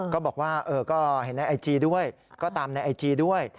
ก็บอกว่าก็เห็นในไอจีด้วยก็ตามในไอจีด้วย